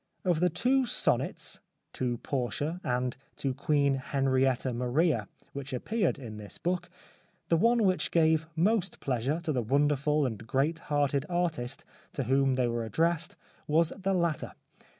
Of the two sonnets, " To Portia," and " To Queen Henrietta Maria," which appeared in this book, the one which gave most pleasure to the wonderful and great hearted artist to whom they were addressed was the latter.